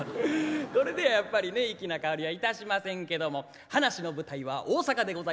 これではやっぱりね粋な薫りはいたしませんけども噺の舞台は大阪でございます。